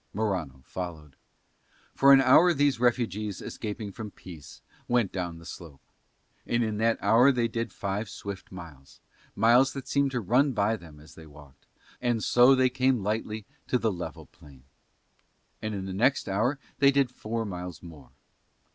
Morano followed. For an hour these refugees escaping from peace went down the slope; and in that hour they did five swift miles, miles that seemed to run by them as they walked, and so they came lightly to the level plain. And in the next hour they did four miles more.